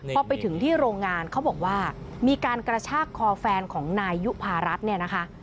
พอไปถึงที่โรงงานเขาบอกว่ามีการกระชากคอแฟนของนายยุภารัฐเนี่ยนะคะ